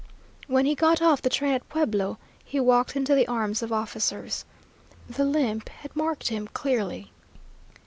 When he got off the train at Pueblo, he walked into the arms of officers. The limp had marked him clearly.